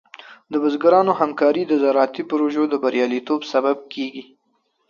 د بزګرانو همکاري د زراعتي پروژو د بریالیتوب سبب کېږي.